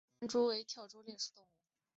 白斑猎蛛为跳蛛科猎蛛属的动物。